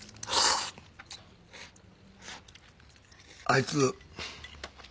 あいつ。